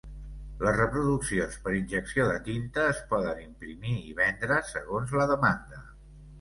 Les reproduccions per injecció de tinta es poden imprimir i vendre segons la demanda.